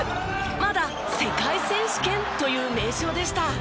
まだ世界選手権という名称でした。